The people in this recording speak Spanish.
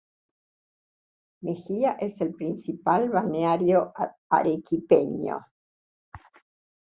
Mejía es el principal balneario arequipeño.